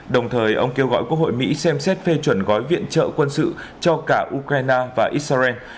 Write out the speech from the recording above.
đồng thời ông kêu gọi quốc hội mỹ xem xét phê chuẩn gói viện trợ quân sự cho cả ukraine và israel